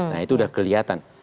nah itu sudah kelihatan